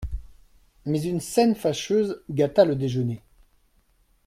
Mais une scène fâcheuse gâta le déjeuner.